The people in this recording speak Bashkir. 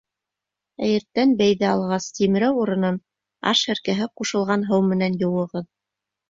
Ә иртән бәйҙе алғас, тимрәү урынын аш һеркәһе ҡушылған һыу менән йыуығыҙ.